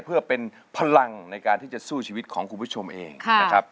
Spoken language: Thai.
เพื่อเป็นพลังในการที่จะสู้ชีวิตของคุณผู้ชมเองนะครับ